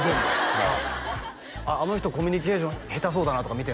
はいあっあの人コミュニケーション下手そうだなとか見てんすか？